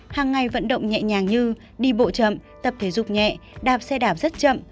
hàng ngày vận động nhẹ nhàng như đi bộ chậm tập thể dục nhẹ đạp xe đạp rất chậm